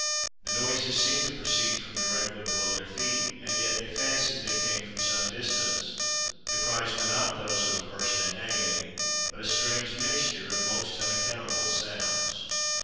The noises seemed to proceed from directly below their feet, and yet they fancied they came from some distance. The cries were not those of a person in agony, but a strange mixture of most unaccountable sounds.